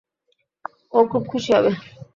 ও খুব খুশি হবে।